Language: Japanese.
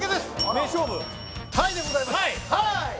名勝負タイでございますタイ？